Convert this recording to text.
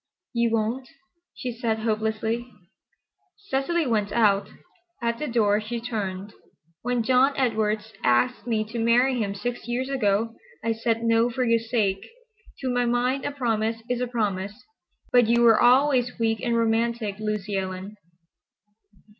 "You won't?" she said hopelessly. Cecily went out. At the door she turned. "When John Edwards asked me to marry him six years ago, I said no for your sake. To my mind a promise is a promise. But you were always weak and romantic, Lucy Ellen."